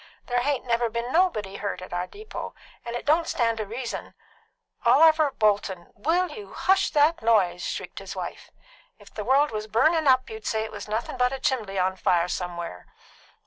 There hain't never been anybody hurt at our depot, and it don't stand to reason " "Oliver Bolton, will you hush that noise?" shrieked his wife. "If the world was burnin' up you'd say it was nothing but a chimbley on fire som'er's."